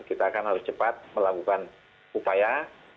kita akan harus cepat melakukan upaya